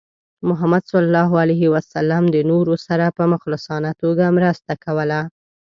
محمد صلى الله عليه وسلم د نورو سره په مخلصانه توګه مرسته کوله.